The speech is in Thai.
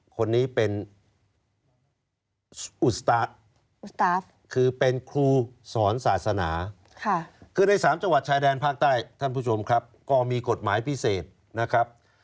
คนนี้เป็นคือเป็นครูสอนศาสนาคือใน๓จังหวัดชายแดนภาคใต้ท่านผู้ชมครับก็มีกฎหมายพิเศษนะครับ